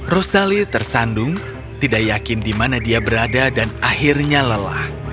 rosali tersandung tidak yakin di mana dia berada dan akhirnya lelah